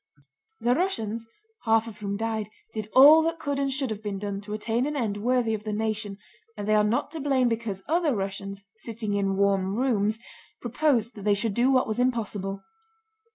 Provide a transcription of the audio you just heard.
The Russians, half of whom died, did all that could and should have been done to attain an end worthy of the nation, and they are not to blame because other Russians, sitting in warm rooms, proposed that they should do what was impossible.